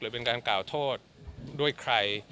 เป็นการกล่าวโทษด้วยใคร